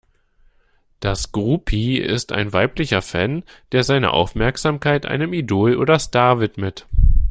Das Groupie ist ein weiblicher Fan, der seine Aufmerksamkeit einem Idol oder Star widmet.